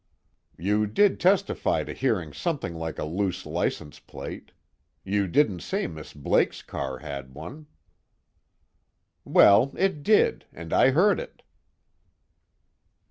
"You did testify to hearing something like a loose license plate. You didn't say Miss Blake's car had one." "Well, it did, and I heard it."